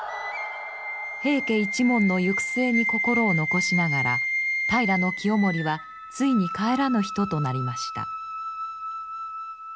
平家一門の行く末に心を残しながら平清盛はついに帰らぬ人となりました。